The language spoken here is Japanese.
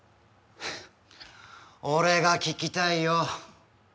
ハッ俺が聞きたいよ！